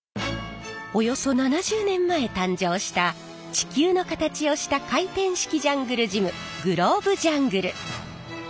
およそ７０年前誕生した地球の形をした回転式ジャングルジムグローブジャングル。